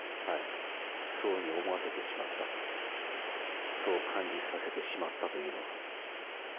そういうふうに思わせてしまった、そう感じさせてしまったというのは。